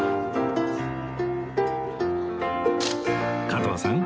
加藤さん